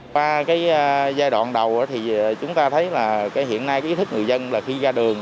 qua cái giai đoạn đầu thì chúng ta thấy là hiện nay cái ý thức người dân là khi ra đường